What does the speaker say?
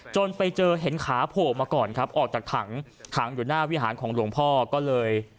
จนไปเจอเห็นขาโผล่มาก่อนครับออกจากถังถังอยู่หน้าวิหารของหลวงพ่อก็เลย